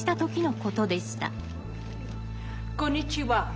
こんにちは。